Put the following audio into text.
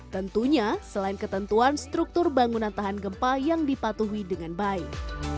tentunya selain ketentuan struktur bangunan tahan gempa yang dipatuhi dengan baik